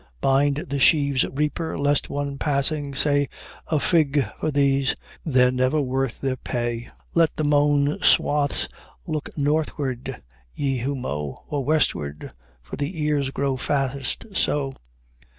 "Bind the sheaves, reapers: lest one, passing, say 'A fig for these, they're never worth their pay!' "Let the mown swathes look northward, ye who mow, Or westward for the ears grow fattest so.